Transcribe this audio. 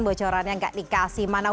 bocorannya enggak dikasih mana